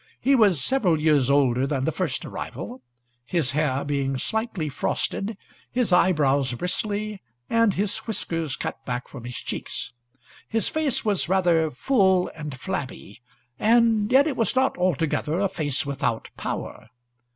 He was several years older than the first arrival, his hair being slightly frosted, his eyebrows bristly, and his whiskers cut back from his cheeks. His face was rather full and flabby, and yet it was not altogether a face without power.